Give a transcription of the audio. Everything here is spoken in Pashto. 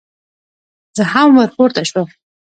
زه هم ور پورته شوم.